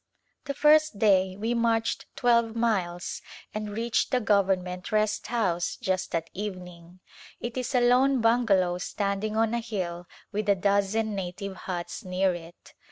The first day we marched twelve miles and reached A Visit to the Hills the Government Rest House just at evening. It is a lone bungalow standing on a hill with a dozen native huts near it.